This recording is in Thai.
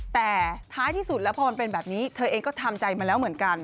แต่ท้ายที่สุดแล้วพอมันเป็นแบบนี้เธอเองก็ทำใจมาแล้วเหมือนกัน